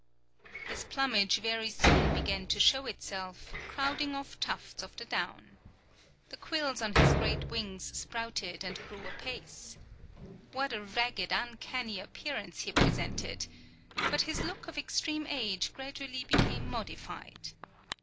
His plumage very soon began to show itself, crowding off tufts of the down. The quills on his great wings sprouted and grew apace. What a ragged, uncanny appearance he presented! but his look of extreme age gradually became modified.